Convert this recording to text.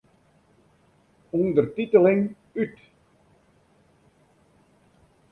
Undertiteling út.